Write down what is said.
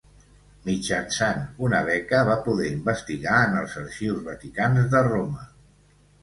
Mitjançant una beca va poder investigar en els Arxius Vaticans de Roma.